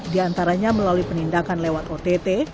diantaranya melalui penindakan lewat ott